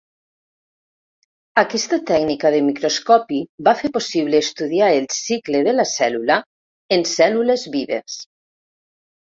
Aquesta tècnica de microscopi va fer possible estudiar el cicle de la cèl·lula en cèl·lules vives.